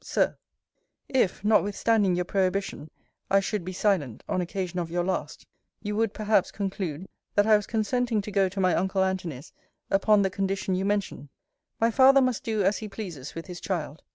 SIR, If, notwithstanding your prohibition, I should be silent, on occasion of your last, you would, perhaps, conclude, that I was consenting to go to my uncle Antony's upon the condition you mention. My father must do as he pleases with his child.